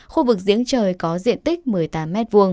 khu vực diễn trời có diện tích một mươi tám m hai